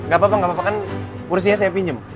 gak apa apa kan kursinya saya pinjem